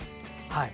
はい。